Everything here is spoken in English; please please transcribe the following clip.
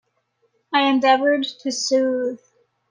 I endeavoured to soothe.